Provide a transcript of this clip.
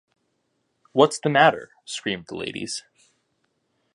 ‘What’s the matter?’ screamed the ladies.